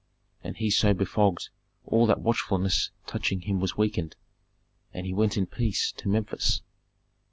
And he so befogged all that watchfulness touching him was weakened, and he went in peace to Memphis.